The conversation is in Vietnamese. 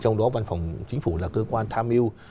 trong đó văn phòng chính phủ là cơ quan tham mưu